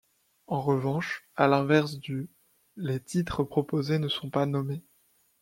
En revanche, à l'inverse du ', les titres proposés ne sont pas nommés.